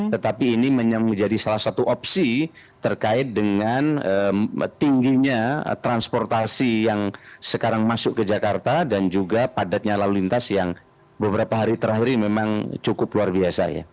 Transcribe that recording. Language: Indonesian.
tetapi ini menjadi salah satu opsi terkait dengan tingginya transportasi yang sekarang masuk ke jakarta dan juga padatnya lalu lintas yang beberapa hari terakhir ini memang cukup luar biasa ya